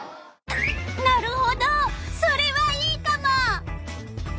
なるほどそれはいいカモ！